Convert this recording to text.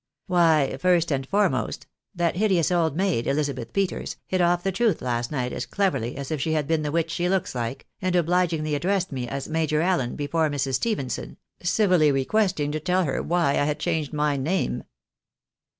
" Why, first and foremost, that hideous old maid, Elizabeth Peters, hit off the truth last night as cleverly as if she had been the witch she looks hke, and obligingly addressed me as Major Allen before Mrs. Stephenson, civOIy requesting me to tell her why I had changed my name."